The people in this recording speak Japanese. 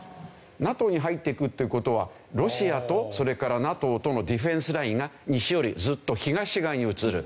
ＮＡＴＯに入っていくという事はロシアとそれからＮＡＴＯとのディフェンスラインが西よりずっと東側に移る。